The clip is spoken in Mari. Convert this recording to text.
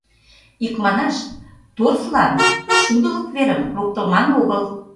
Икманаш, торфлан шудылык верым локтылман огыл.